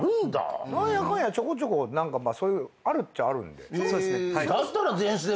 何やかんやちょこちょこあるっちゃあるんで。